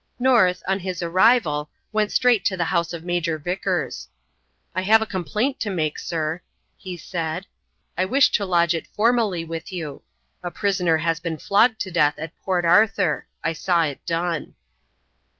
North, on his arrival, went straight to the house of Major Vickers. "I have a complaint to make, sir," he said. "I wish to lodge it formally with you. A prisoner has been flogged to death at Port Arthur. I saw it done."